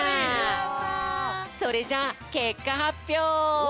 やっぱり！それじゃあけっかはっぴょう！